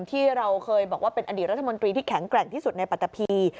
ที่เราเคยบอกว่าเป็นอดีตรัฐมนตรีที่แข็งแกร่งที่สุดในปัตตะพี